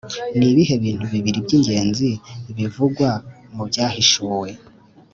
Ni ibihe bintu bibiri by ingenzi bivugwa mu byahishuwe